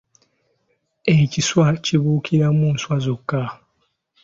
Ekiswa kibuukiramu nswa zokka.